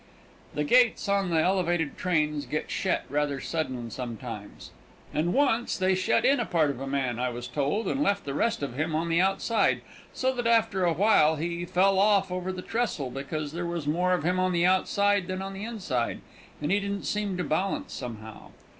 The gates on the elevated trains get shet rather sudden sometimes, and once they shet in a part of a man, I was told, and left the rest of him on the outside, so that after a while he fell off over the trestle, because there was more of him on the outside than on the inside, and he didn't seem to balance somehow.